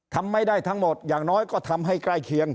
ทำไม่ได้ทั้งหมดอย่างน้อยก็ทำให้ใกล้เคียง